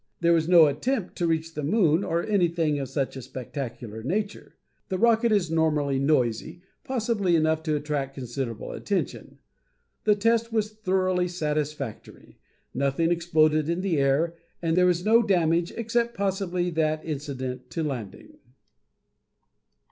There was no attempt to reach the moon or anything of such a spectacular nature. The rocket is normally noisy, possibly enough to attract considerable attention. The test was thoroughly satisfactory, nothing exploded in the air, and there was no damage except possibly that incidental to landing."